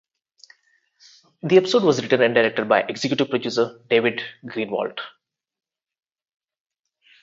The episode was written and directed by executive producer David Greenwalt.